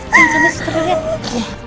jangan sampai susernya liat